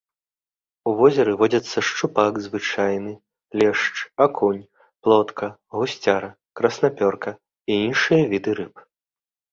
У возеры водзяцца шчупак звычайны, лешч, акунь, плотка, гусцяра, краснапёрка і іншыя віды рыб.